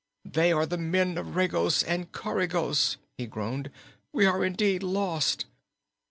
"They are the men of Regos and Coregos!" he groaned. "We are, indeed, lost!"